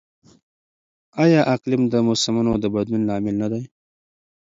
آیا اقلیم د موسمونو د بدلون لامل نه دی؟